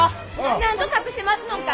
なんぞ隠してますのんか！？